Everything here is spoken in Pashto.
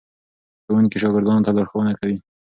ښوونکي شاګردانو ته لارښوونه کوي.